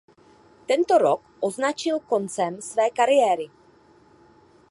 Tento rok označil koncem své kariéry.